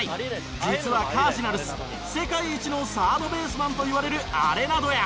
実はカージナルス世界一のサードベースマンといわれるアレナドや。